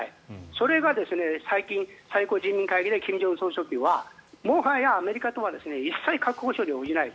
それが最近、最高人民会議で金正恩総書記はもはやアメリカとは一切核交渉に応じない。